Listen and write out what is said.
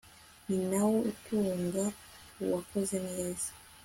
ni na wo utunga uwukoze neza